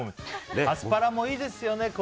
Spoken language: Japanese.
アスパラもいいですよね。